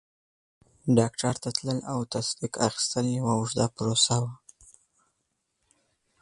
ډاکټر ته تلل او تصدیق اخیستل یوه اوږده پروسه وه.